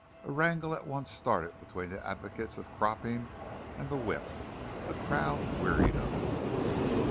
A wrangle at once started between the advocates of cropping and the whip. The crowd wearied of it.